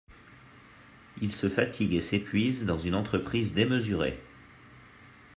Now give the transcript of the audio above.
Il se fatigue et s'épuise dans une entreprise démesurée.